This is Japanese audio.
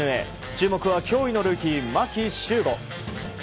注目は驚異のルーキー、牧秀悟。